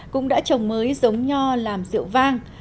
cũng đã trồng mới giống nho làm rượu vang